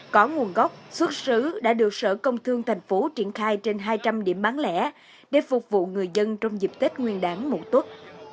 có nguồn gốc xuất xứ đã được sở công thương tp triển khai trên hai trăm linh điểm bán lẻ để phục vụ người dân trong dịp tết nguyên đán mậu tuất